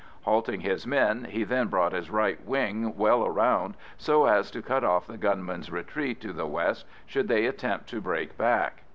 Halting his men, he then brought his right wing well round so as to cut off the gunmen's retreat to the west should they attempt to break back.